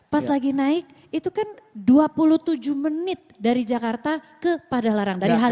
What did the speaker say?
pas lagi naik itu kan dua puluh tujuh menit dari jakarta ke padah larang dari halim